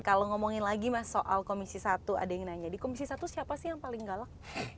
kalau ngomongin lagi mas soal komisi satu ada yang nanya di komisi satu siapa sih yang paling galak